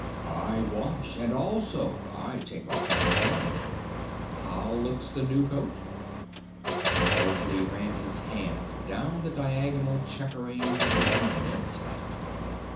"I wash, and also I take off my skin. How looks the new coat?" Mowgli ran his hand down the diagonal checkerings of the immense back.